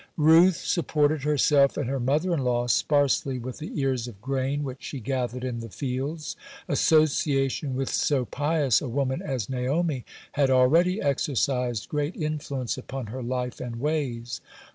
(48) Ruth supported herself and her mother in law sparsely with the ears of grain which she gathered in the fields. Association with so pious a woman as Naomi (49) had already exercised great influence upon her life and ways.